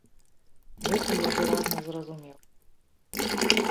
Гэта я выразна зразумеў.